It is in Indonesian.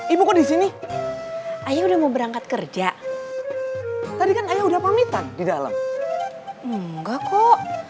ibu kok disini ayah udah mau berangkat kerja tadi kan udah pamitan di dalam enggak kok